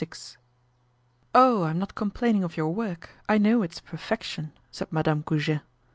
"Oh! I'm not complaining of your work; I know it's perfection," said Madame Goujet.